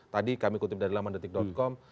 tadi kami kutip dari lamandetik com